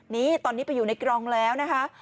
นี่ตอนนี้ไปอยู่ในกรองแล้วนะคะ